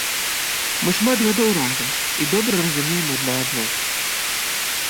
Мы шмат гадоў разам і добра разумеем адна адну.